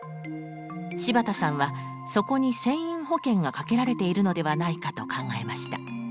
柴田さんはそこに船員保険がかけられているのではないかと考えました。